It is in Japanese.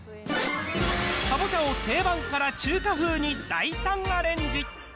かぼちゃを定番から中華風に大胆アレンジ。